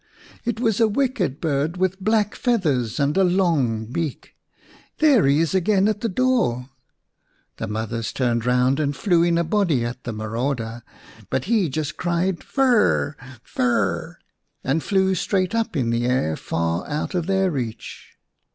" It was a wicked bird with black feathers and a long beak. There he is again at the door." The mothers turned round and flew in a body at the marauder. But he just cried " Fir r r r ! Fir r r r !" and flew straight up in the air far out of their reach.